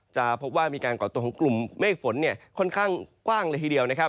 จะพบว่ามีการก่อตัวของกลุ่มเมฆฝนค่อนข้างกว้างเลยทีเดียวนะครับ